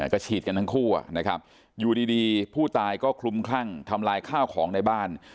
ก็ฉีดกันทั้งคู่นะครับอยู่ดีผู้ตายก็คลุมคลั่งทำลายข้าวของในบ้าน